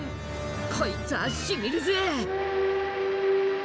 こいつはしみるぜ！